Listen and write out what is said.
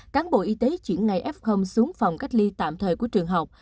cán bộ y tế chuyển ngày f xuống phòng cách ly tạm thời của trường học